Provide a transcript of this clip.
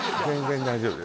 全然大丈夫